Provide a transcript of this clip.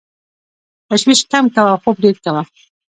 تشویش کم کوه او خوب ډېر کوه .